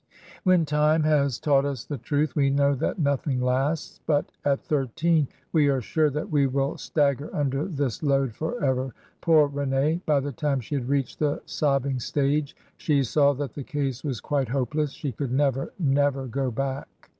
When time has taught us the truth, we know that nothing lasts ; but at thirteen we are sure that we will stagger under this load forever. Poor Rene! By the time she had reached the sobbing stage, she saw that the case was quite hopeless. She could never, never go back.